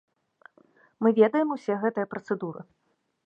Мы ведаем усе гэтыя працэдуры.